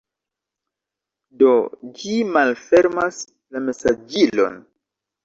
Do, ĝi malfermas la mesaĝilon